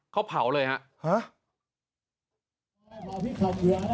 เขาเผาเลยฮะ